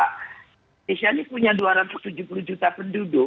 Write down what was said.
indonesia ini punya dua ratus tujuh puluh juta penduduk